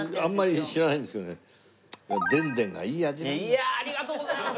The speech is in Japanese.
いやあありがとうございます！